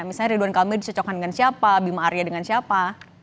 misalnya ridwan kamil dicocokkan dengan siapa bima arya dengan siapa